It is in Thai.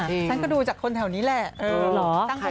ฉันก็ดูจากคนแถวนี้แหละ